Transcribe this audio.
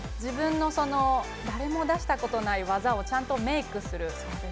で、誰も出したことがない技をちゃんとメイクする。